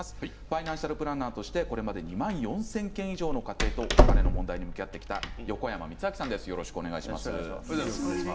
ファイナンシャルプランナーとして、これまで２万４０００件以上の家庭とお金の問題に向き合ってきた横山光昭さんです。